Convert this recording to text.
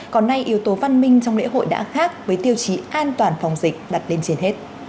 còn nay yếu tố văn minh trong lễ hội đã khác với tiêu chí an toàn phòng dịch đặt lên trên hết